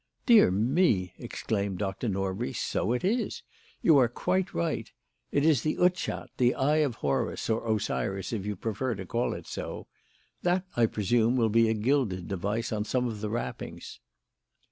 "Dear me!" exclaimed Dr. Norbury, "so it is. You are quite right. It is the Utchat the Eye of Horus or Osiris, if you prefer to call it so. That, I presume, will be a gilded device on some of the wrappings."